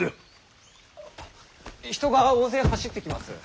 人が大勢走ってきます。